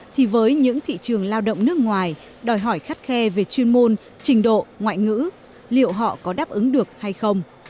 thì với những thị trường lao động nước ngoài đòi hỏi khắt khe về chuyên môn trình độ ngoại ngữ liệu họ có đáp ứng được hay không